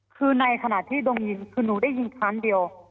คือในขณะที่โดนยิงคือหนูได้ยินครั้งเดียว